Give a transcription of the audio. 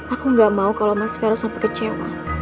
aku gak mau kalau mas vero sampai kecewa